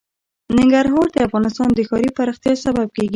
ننګرهار د افغانستان د ښاري پراختیا سبب کېږي.